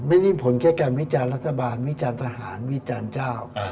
ไม่ได้ผลแค่การวิจารณ์รัฐบาลวิจารณ์ทหารวิจารณ์เจ้า